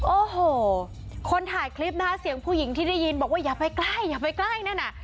โอ้โหคนถ่ายคลิปนะคะเสียงผู้หญิงที่ได้ยินบอกว่าอย่าไปใกล้อย่าไปใกล้นั่นน่ะ